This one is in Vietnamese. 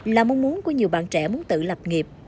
là mong muốn của nhiều bạn trẻ muốn tự lập nghiệp